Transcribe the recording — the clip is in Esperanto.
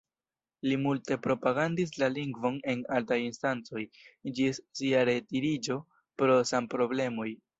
Li multe propagandis la lingvon en altaj instancoj, ĝis sia retiriĝo pro sanproblemoj.